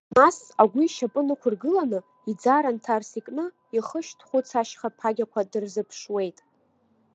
Нас агәы ишьапы нықәыргыланы, иӡара нҭарс икны, ихы шьҭкәыцә ашьха ԥагьақәа дырзыԥшуеит.